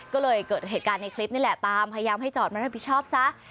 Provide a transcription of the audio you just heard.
ก็เลยเกิดเหตุการณ์ในคลิปนี่แหละตามพยายามให้จอดมารับผิดชอบซะ